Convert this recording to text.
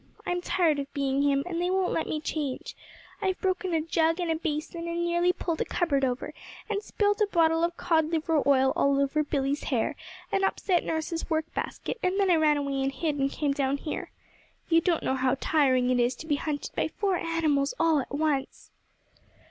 I'm tired of being him, and they won't let me change. I've broken a jug and basin, and nearly pulled a cupboard over, and spilt a bottle of cod liver oil all over Billy's hair, and upset nurse's work basket, and then I ran away and hid, and came down here. You don't know how tiring it is to be hunted by four animals all at once.'